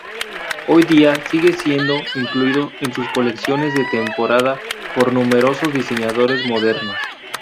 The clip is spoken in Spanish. Hoy día, sigue siendo incluido en sus colecciones de temporada por numerosos diseñadores modernos.